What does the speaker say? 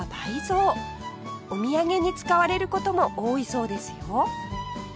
お土産に使われる事も多いそうですよ